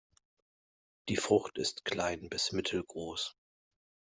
Die Frucht ist klein bis mittelgroß.